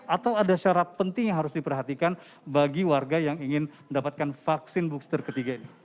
atau ada syarat penting yang harus diperhatikan bagi warga yang ingin mendapatkan vaksin booster ketiga ini